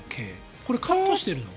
これはカットしてるの？